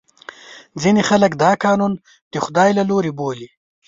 ځینې خلکو دا قانون د خدای له لورې بولي.